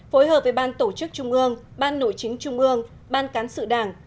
phối hợp với ban tổ chức trung ương ban nội chính trung ương ban cán sự đảng